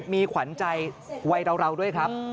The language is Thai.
มีขวัญใจวัยเราด้วยครับ